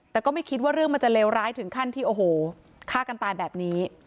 แต่ก็ไม่คิดว่าเรื่องมันจะเลวร้ายถึงขั้นที่โอ้โหฆ่ากันตายแบบนี้